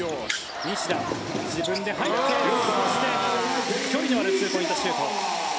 西田、自分で入ってそして距離のあるツーポイント。